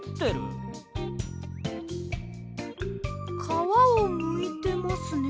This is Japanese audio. かわをむいてますね。